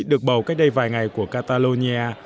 được bầu cách đây vài ngày của catalonia